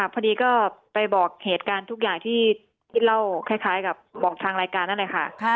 พอดีก็ไปบอกเหตุการณ์ทุกอย่างที่เล่าคล้ายกับบอกทางรายการนั่นแหละค่ะ